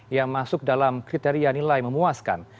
yang masuk dalam kriteria nilai memuaskan